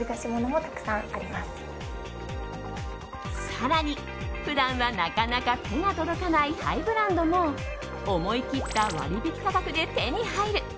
更に、普段はなかなか手が届かないハイブランドも思い切った割引価格で手に入る。